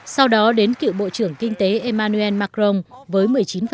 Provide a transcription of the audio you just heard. sau đó đến cựu bộ trưởng kinh tế emmanuel macron với một mươi chín